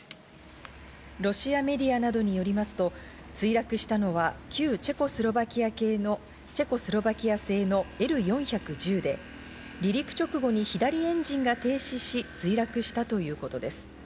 ロシアメディアなどによりますと、墜落したのは旧チェコスロバキア製のＬー４１０で離陸直後に左エンジンが停止し墜落したということです。